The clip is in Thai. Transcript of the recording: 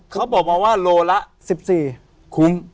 เขาบอกมาว่าโลละ๑๔คุ้ม